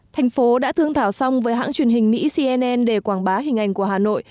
thành phố đã thương thảo song với hãng truyền hình mỹ cnn để quảng bá hình ảnh của hà nội